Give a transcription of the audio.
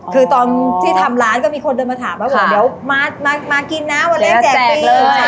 คือตอนที่ทำร้านก็มีคนเดินมาถามว่าเดี๋ยวมากินนะวันแรกแจกเองเลย